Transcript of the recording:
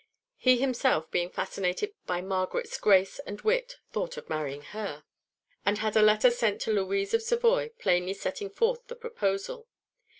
He himself, being fascinated by Margaret's grace and wit, thought of marrying her, and had a letter sent to Louise of Savoy, plainly setting forth the proposal.